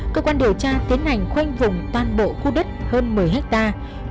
cơ quan điều tra tiến hành khoanh vùng toàn bộ khu đất hơn một mươi hectare